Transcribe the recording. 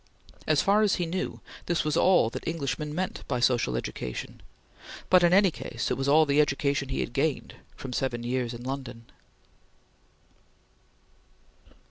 As far as he knew, this was all that Englishmen meant by social education, but in any case it was all the education he had gained from seven years in London.